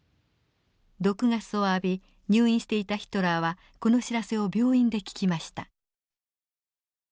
毒ガスを浴び入院していたヒトラーはこの知らせを病院で聞きました。